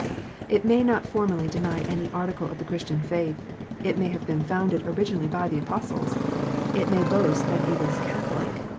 It may not formally deny any article of the Christian faith. It may have been founded originally by the Apostles. It may boast that it is Catholic.